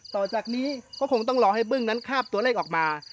ต่อจากนี้ก็คงต้องรอให้บึ้งนั้นคาบตัวเลขออกมา